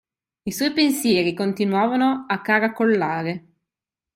I suoi pensieri continuavano a caracollare.